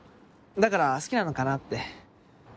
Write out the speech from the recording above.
だから好きなのかなって。